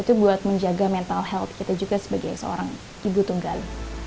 itu buat menjaga mental health kita juga sebagai seorang ibu tunggal